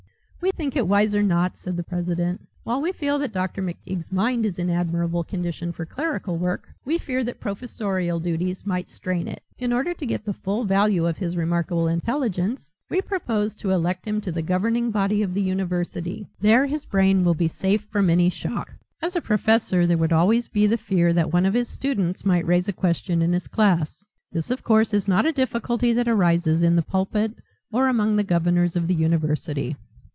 "We think it wiser not," said the president. "While we feel that Dr. McTeague's mind is in admirable condition for clerical work we fear that professorial duties might strain it. In order to get the full value of his remarkable intelligence, we propose to elect him to the governing body of the university. There his brain will be safe from any shock. As a professor there would always be the fear that one of his students might raise a question in his class. This of course is not a difficulty that arises in the pulpit or among the governors of the university."